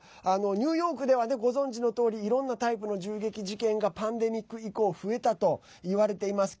ニューヨークではご存じのとおりいろんなタイプの銃撃事件がパンデミック以降増えたといわれています。